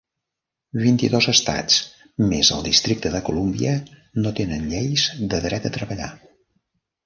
Vint-i-dos estats, més el districte de Colúmbia, no tenen lleis de dret a treballar.